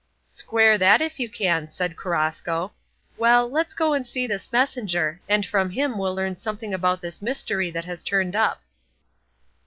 "Square that if you can," said Carrasco; "well, let's go and see the messenger, and from him we'll learn something about this mystery that has turned up."